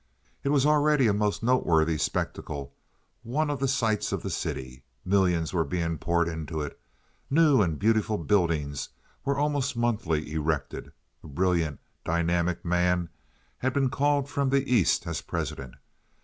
It was already a most noteworthy spectacle, one of the sights of the city. Millions were being poured into it; new and beautiful buildings were almost monthly erected. A brilliant, dynamic man had been called from the East as president.